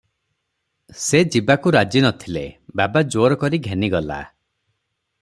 "ସେ ଯିବାକୁ ରାଜି ନ ଥିଲେ, ବାବା ଜୋର କରି ଘେନିଗଲା ।